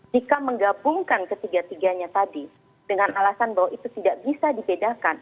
jika menggabungkan ketiga tiganya tadi dengan alasan bahwa itu tidak bisa dibedakan